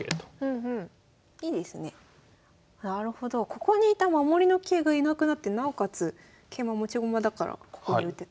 ここにいた守りの桂がいなくなってなおかつ桂馬持ち駒だからここに打てたと。